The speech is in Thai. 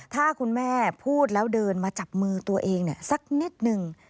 ถ้าคุณแม่พูดแล้วเดินมาจับมือตัวเองสักนิดนึง